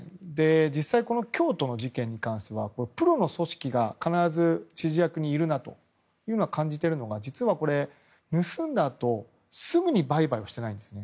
実際、京都の事件に関してはプロの組織が必ず指示役にいると感じているのが実は、盗んだあとすぐに売買をしていないんです。